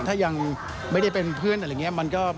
ถ้ายังไม่ได้เป็นเพื่อนอะไรอย่างนี้